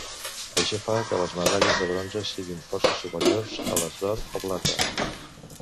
Això fa que les medalles de bronze siguin força superiors a les d'or o plata.